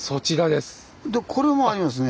でこれもありますね。